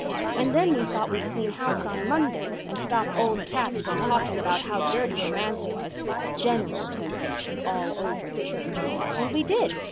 And then we thought we'd clean house on Monday and stop old cats from talking about how dirty the manse was"—general sensation all over the church—"and we did.